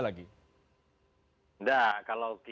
karena alasan politik saja lagi